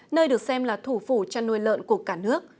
nơi được xem là thủ phủ chăn nuôi lợn của cả nước